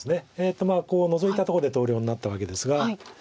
こうノゾいたとこで投了になったわけですが。